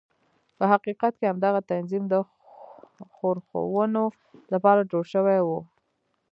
په حقیقت کې همدغه تنظیم د ښورښونو لپاره جوړ شوی و.